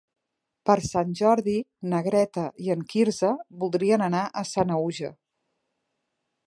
Per Sant Jordi na Greta i en Quirze voldrien anar a Sanaüja.